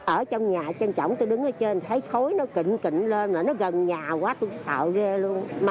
ở trong nhà trân trọng tôi đứng ở trên thấy khối nó kịnh kịnh lên là nó gần nhà quá tôi sợ ghê luôn